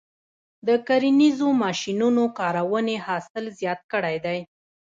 د کرنیزو ماشینونو کارونې حاصل زیات کړی دی.